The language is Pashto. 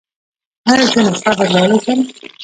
ایا زه نسخه بدلولی شم؟